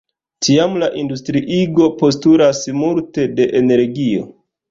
Tiam la industriigo postulas multe de energio.